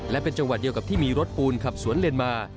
และเป็นจังหวัดเดียวกับที่มีรถปูนขับสวนเลนมา